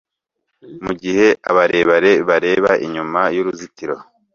mugihe abarebera bareba inyuma yuruzitiro